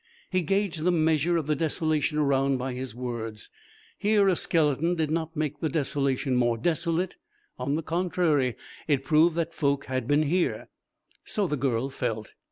He gauged the measure of the desolation around by his words. Here a skeleton did not make the desolation more desolate; on the contrary, it proved that folk had been here. So the girl felt.